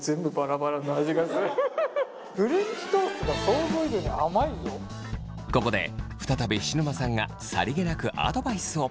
最初に選んだのはここで再び菱沼さんがさりげなくアドバイスを。